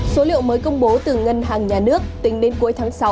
số liệu mới công bố từ ngân hàng nhà nước tính đến cuối tháng sáu